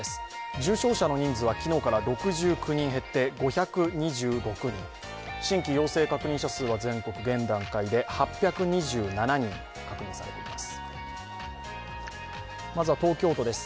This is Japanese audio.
重症者の人数は昨日から６９人減って５２６人、新規陽性確認者数は現段階で８２７人です。